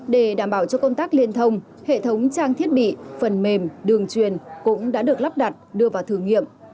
để đảm bảo cho công tác liên thông hệ thống trang thiết bị phần mềm đường truyền cũng đã được lắp đặt đưa vào thử nghiệm